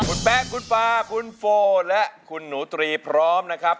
คุณแป๊ะคุณฟ้าคุณโฟและคุณหนูตรีพร้อมนะครับ